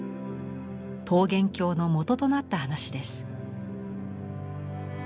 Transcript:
桃源郷のもととなった話です。